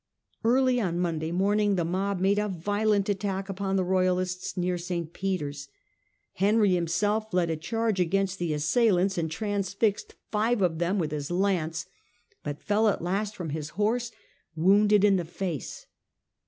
Early on Monday morning the mob made a violent attack upon the royalists near St. Peter's. Henry him self led a charge against the assailants, and transfixed five of them with his lance, but fell at last fi:om his horse, wounded in the face.